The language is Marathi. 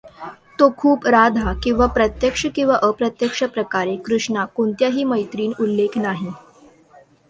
तो खूप राधा किंवा प्रत्यक्ष किंवा अप्रत्यक्ष प्रकारे कृष्णा कोणत्याही मैत्रीण उल्लेख नाही.